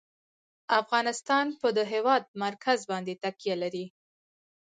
افغانستان په د هېواد مرکز باندې تکیه لري.